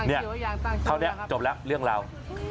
เท่านี้จบแล้วเรื่องราว